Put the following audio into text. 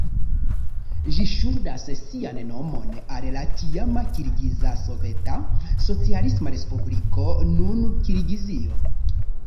Ĝi ŝuldas sian nomon al la tiama Kirgiza Soveta Socialisma Respubliko, nun Kirgizio.